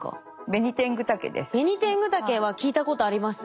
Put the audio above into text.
ベニテングタケです。